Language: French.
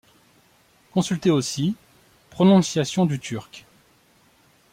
Consulter aussi Prononciation du turc.